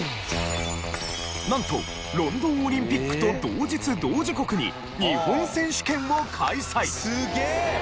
なんとロンドンオリンピックと同日同時刻に日本選手権を開催。